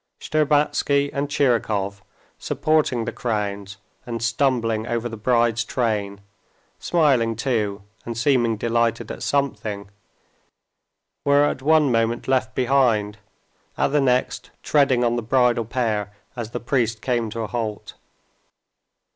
Shtcherbatsky and Tchirikov, supporting the crowns and stumbling over the bride's train, smiling too and seeming delighted at something, were at one moment left behind, at the next treading on the bridal pair as the priest came to a halt.